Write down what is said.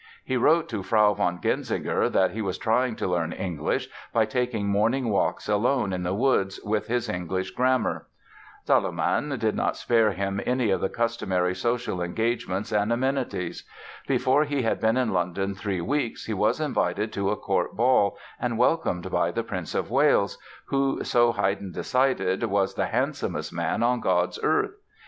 He wrote to Frau von Genzinger that he was trying to learn English by taking morning walks alone in the woods "with his English grammar." Salomon did not spare him any of the customary social engagements and amenities. Before he had been in London three weeks he was invited to a court ball and welcomed by the Prince of Wales, who, so Haydn decided, was "the handsomest man on God's earth".